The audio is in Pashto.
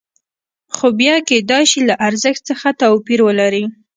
خو بیه کېدای شي له ارزښت څخه توپیر ولري